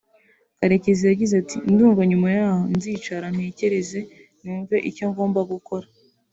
Karekezi yagize ati “Ndumva nyuma y’aha nzicara ntekereze numve icyo ngomba gukora